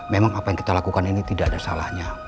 memang apa yang kita lakukan ini tidak ada salahnya